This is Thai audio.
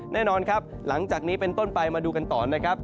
แน่นอนครับหลังจากนี้เป็นต้นไปมาดูกันต่อนะครับ